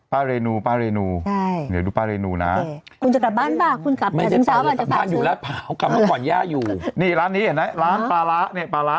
ป้าเรนูได้เดี๋ยวดูป้าเรนูนะคุณจะกลับบ้านป่ะ